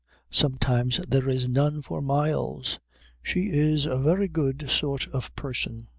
Sometimes there is none for miles. She is a very good sort of person.